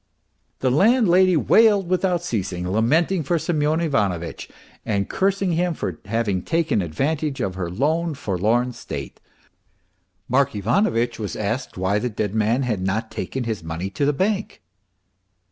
The landlady wailed without ceasing, lamenting for Semyon Ivanovitch, and cursing him for having taken advantage of her lone, lorn state. Mark Ivanovitch was asked why the dead man had not taken his .money to the bank.